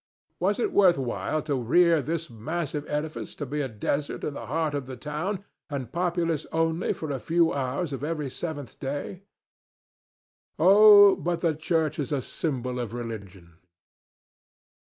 Was it worth while to rear this massive edifice to be a desert in the heart of the town and populous only for a few hours of each seventh day? Oh, but the church is a symbol of religion.